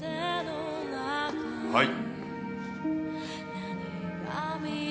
はい。